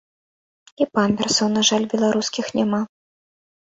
І памперсаў, на жаль, беларускіх няма.